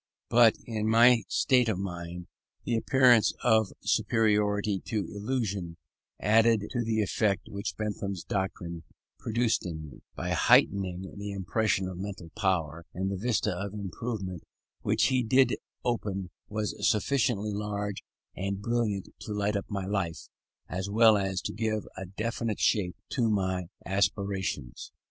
But, in my state of mind, this appearance of superiority to illusion added to the effect which Bentham's doctrines produced on me, by heightening the impression of mental power, and the vista of improvement which he did open was sufficiently large and brilliant to light up my life, as well as to give a definite shape to my aspirations.